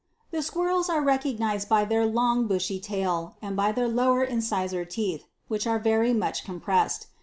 20. The squirrels are recognised by their long, bushy tail, and by their lower incisor teeth, which are very much compressed.